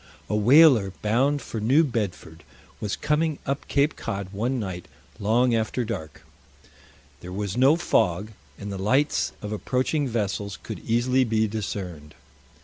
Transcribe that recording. A whaler bound for New Bedford was coming up Cape Cod one night long after dark. There was no fog, and the lights of approaching vessels could easily be discerned.